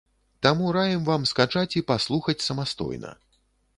Таму раім вам скачаць і паслухаць самастойна.